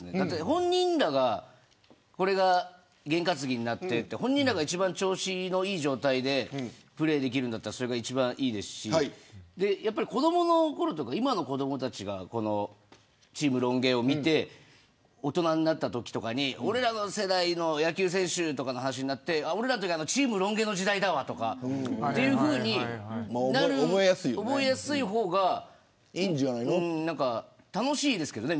本人らが験担ぎになって一番調子がいい状態でプレーできるんだったらそれが一番いいですし子どものころとか今の子どもたちがチームロン毛を見て大人になったとき俺らの世代の野球選手とかの話になってチームロン毛の時代だわというふうに覚えやすい方が楽しいですけどね。